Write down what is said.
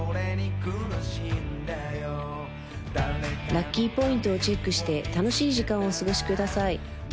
ラッキーポイントをチェックして楽しい時間をお過ごしください